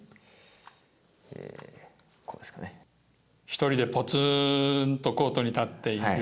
一人でぽつんとコートに立っている。